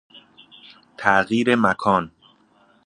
تغییرمکان